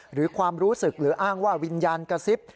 หรือความรู้สึกหรืออ้างว่าวิญญาณกระซิบ